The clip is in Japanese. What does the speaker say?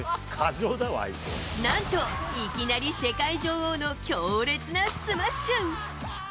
なんと、いきなり世界女王の強烈なスマッシュ。